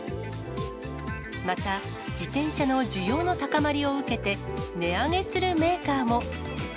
また、自転車の需要の高まりを受けて、値上げするメーカーも。